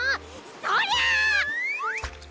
そりゃ！